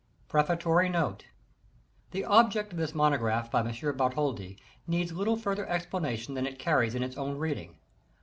PREFATORY NOTE The object of this monograph by M. Bartholdi needs little further explanation than it carries in its own reading.